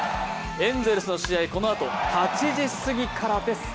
エンゼルスの試合、このあと８時過ぎからです。